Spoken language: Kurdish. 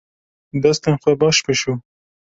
Destên xwe baş bişo.